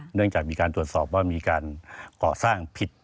เนื่องจากมีการตรวจสอบว่ามีการก่อสร้างผิด